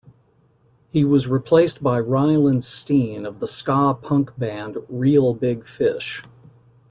He was replaced by Ryland Steen, of the ska punk band Reel Big Fish.